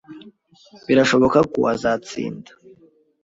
Birashoboka ko azatsinda